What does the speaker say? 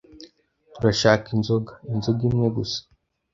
"Turashaka inzoga." "Inzoga imwe gusa?"